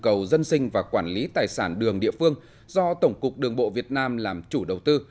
cầu dân sinh và quản lý tài sản đường địa phương do tổng cục đường bộ việt nam làm chủ đầu tư